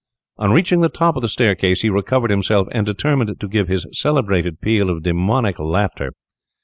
On reaching the top of the staircase he recovered himself, and determined to give his celebrated peal of demoniac laughter.